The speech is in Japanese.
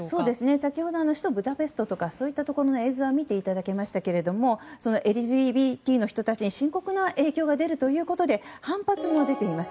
先ほど首都ブダペストとかそういう映像は見ていただきましたがＬＧＢＴの人たちに深刻な影響が出ているということで反発も出ています。